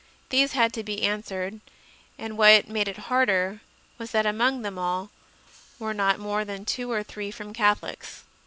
These had to be answered, and what made it harder was that among them all there were not more than two or three from Catholics.